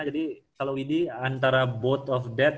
jadi kalau widi antara both of that